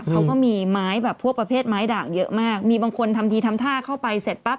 เขาก็มีไม้แบบพวกประเภทไม้ด่างเยอะมากมีบางคนทำทีทำท่าเข้าไปเสร็จปั๊บ